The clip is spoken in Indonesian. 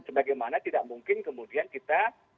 sebagaimana tidak mungkin kemudian kita